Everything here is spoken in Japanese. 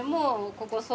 ここ。